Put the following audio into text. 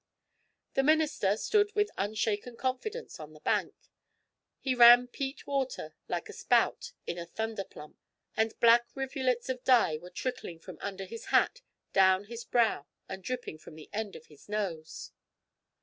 The minister stood with unshaken confidence on the bank. He ran peat water like a spout in a thunder plump, and black rivulets of dye were trickling from under his hat down his brow and dripping from the end of his nose.